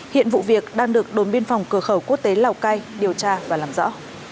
hiện vụ việc đang được đồn biên phòng cửa khẩu quốc tế lào cai điều tra và làm rõ